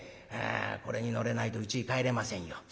これに乗れないとうちに帰れませんよ。